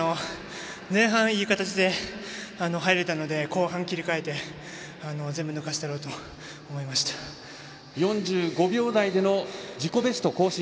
前半いい形で入れたので後半切り替えて４５秒台での自己ベスト更新。